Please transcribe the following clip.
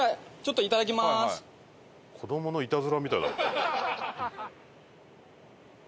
子どものいたずらみたいだもん。